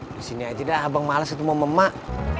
disini aja dah abang males ketemu emak